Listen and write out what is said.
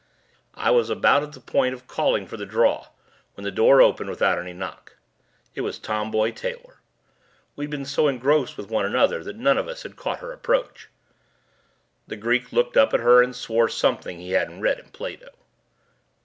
I was about at the point of calling for the draw when the door opened without any knock. It was Tomboy Taylor. We'd been so engrossed with one another that none of us had caught her approach. The Greek looked up at her and swore something that he hadn't read in Plato.